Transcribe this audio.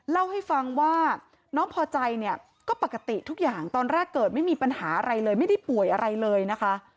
เล่าให้ฟังว่าน้องพอใจเนี่ยก็ปกติทุกอย่างตอนแรกเกิดไม่มีปัญหาอะไรเลยไม่ได้ป่วยอะไรเลยนะคะ